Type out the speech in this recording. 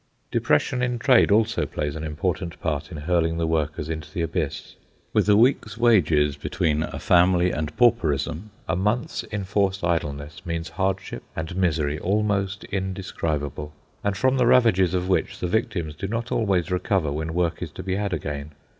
Depression in trade also plays an important part in hurling the workers into the Abyss. With a week's wages between a family and pauperism, a month's enforced idleness means hardship and misery almost indescribable, and from the ravages of which the victims do not always recover when work is to be had again.